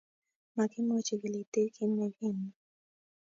Ma kimuchi kilitit kiit ne kunuur.